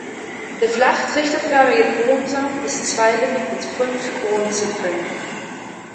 Der flach trichterförmige Kronsaum ist zweilippig mit fünf Kronzipfeln.